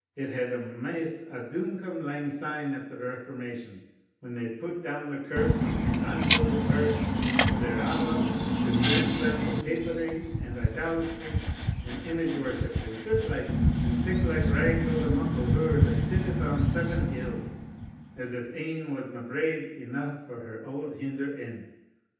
It had amaist a douncome lang syne at the Reformation, when they pu'd doun the kirks of St. Andrews and Perth, and thereawa', to cleanse them o' Papery, and idolatry, and image worship, and surplices, and sic like rags o' the muckle hure that sitteth on seven hills, as if ane wasna braid eneugh for her auld hinder end.